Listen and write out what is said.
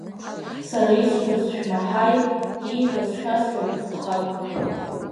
Сара исҳәаз шәмаҳаи, ииҳәоз шәасҳәеит ҭынхак…